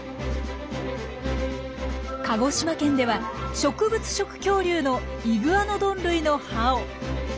鹿児島県では植物食恐竜のイグアノドン類の歯を。